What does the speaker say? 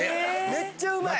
めっちゃうまい。